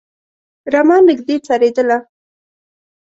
رمه نږدې څرېدله.